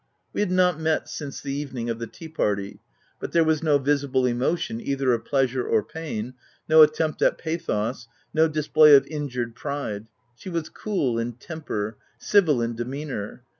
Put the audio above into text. We had not met since the evening of the tea party ; but there was no visible emotion either of pleasure or pain, no attempt at pathos, no display of injured pride : she was cool in tem per, civil in demeanour.